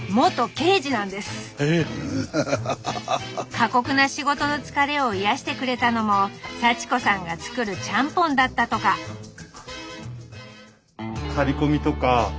過酷な仕事の疲れを癒やしてくれたのも幸子さんが作るちゃんぽんだったとかスタジオうんいいね。